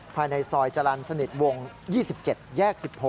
ภายในซอยจรรย์สนิทวง๒๗แยก๑๖